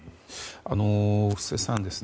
布施さん